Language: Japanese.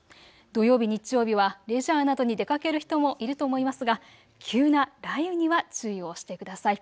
土曜日、日曜日はレジャーなどに出かける人もいると思いますが急な雷雨には注意をしてください。